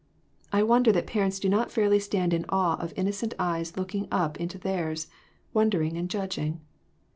I wonder that parents do not fairly stand in awe of innocent eyes looking up into theirs, wondering and judg ing.